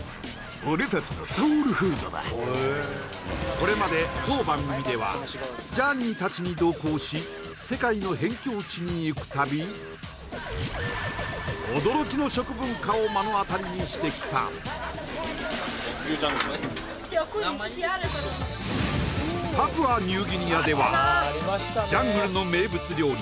これまで当番組ではジャーニー達に同行し世界の辺境地に行くたび驚きの食文化を目の当たりにしてきたパプアニューギニアではジャングルの名物料理